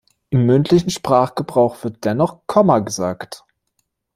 Im mündlichen Sprachgebrauch wird dennoch «Komma» gesagt.